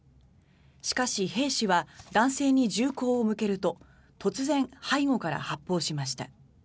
しかし、兵士は男性に銃口を向けると突然、背後から発砲しました。